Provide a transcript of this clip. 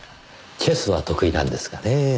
チェスは得意なんですがねぇ。